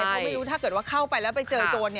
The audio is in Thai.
เจ้าไม่รู้ถ้าเข้าไปแล้วไปเจอโจร